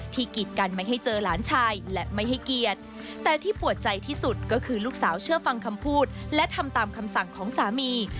กีดกันไม่ให้เจอหลานชายและไม่ให้เกียรติแต่ที่ปวดใจที่สุดก็คือลูกสาวเชื่อฟังคำพูดและทำตามคำสั่งของสามี